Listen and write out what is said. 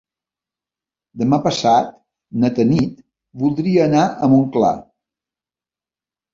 Demà passat na Tanit voldria anar a Montclar.